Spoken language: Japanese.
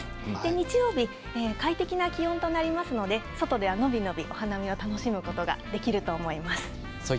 日曜日快適な気温となりますので外で伸び伸びお花見を楽しむことができると思います。